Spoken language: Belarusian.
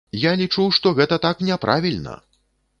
Я лічу, што гэта так няправільна!